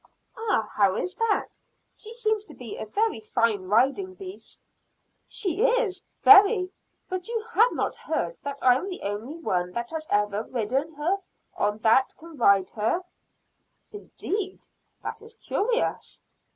"Ah, how is that? She seems to be a very fine riding beast." "She is, very! But you have not heard that I am the only one that has ever ridden her or that can ride her." "Indeed! that is curious."